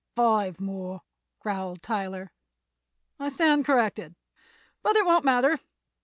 "Five more," growled Tyler. "I stand corrected; but it won't matter.